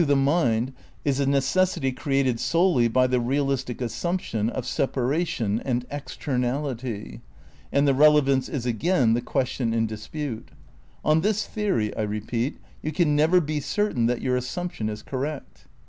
126 THE NEW IDEALISM m mind is a necessity created solely by the realistic as sumption of separation and externality; and the rele vance is, again, the question in dispute. On this the ory — I repeat — ^you can never be certain that your assumption is correct.